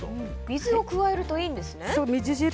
水を加えるといいんですね。